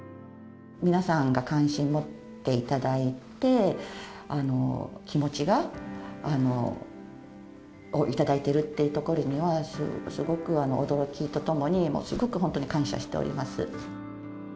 皆さんが関心を持っていただいて、気持ちを頂いているっていうところには、すごくすごく驚きとともに、すごく本当に感謝しております。